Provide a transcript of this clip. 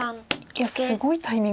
いやすごいタイミングですね。